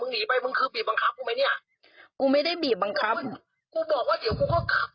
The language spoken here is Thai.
หนีไปมึงคือบีบบังคับกูไหมเนี่ยกูไม่ได้บีบบังคับกูบอกว่าเดี๋ยวกูก็ขับ